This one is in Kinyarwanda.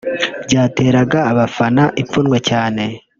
byateraga abana ipfunwe cyane